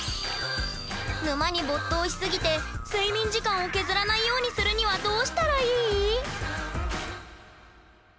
沼に没頭しすぎて睡眠時間を削らないようにするにはどうしたらいい？